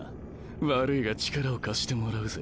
悪いが力を貸してもらうぜ。